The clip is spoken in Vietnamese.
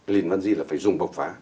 lìn văn di là phải dùng bọc phá